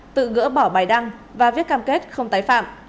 tự gỡ bỏ bài đăng và viết cam kết không tái phạm